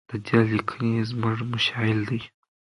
د ده لیکنې زموږ مشعل دي.